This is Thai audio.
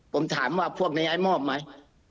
ผมถามว่าพวกนี้ไอ้มอบไหม